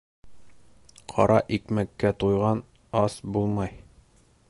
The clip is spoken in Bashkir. Ҡара икмәккә туйған ас булмай